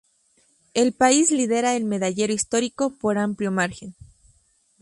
El país lidera el medallero histórico por amplio margen.